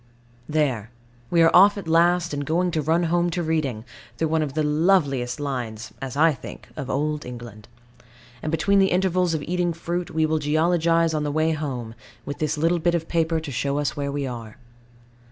There. We are off at last, and going to run home to Reading, through one of the loveliest lines (as I think) of old England. And between the intervals of eating fruit, we will geologize on the way home, with this little bit of paper to show us where we are.